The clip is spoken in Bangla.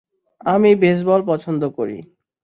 আমি বেসবল পছন্দ করি।